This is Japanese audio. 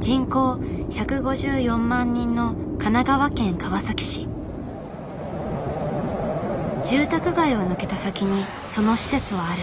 人口１５４万人の住宅街を抜けた先にその施設はある。